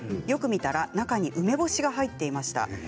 よく見たら中に梅干しが入っていました。